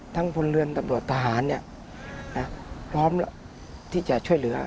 ทั้งพลเรือนตำรวจทหารเนี้ยนะพร้อมที่จะช่วยเหลือ